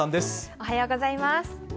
おはようございます。